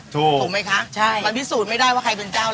ถูก